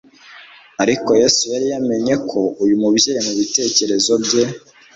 Ariko Yesu yari yamenye ko uyu mubyeyi, mubitekerezo bye,